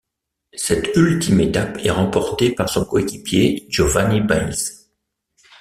Cette ultime étape est remportée par son coéquipier Giovanni Báez.